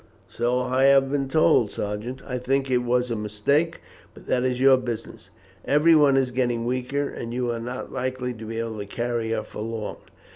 "So I have been told, Sergeant. I think it was a mistake, but that is your business. Everyone is getting weaker, and you are not likely to be able to carry her for long.